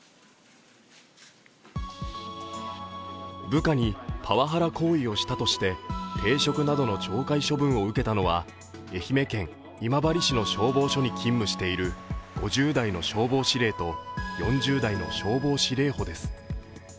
部下にパワハラ行為をしたとして停職などの懲戒処分を受けたのは愛媛県今治市の消防署に勤務している５０代の消防司令と４０代の消防司令補です。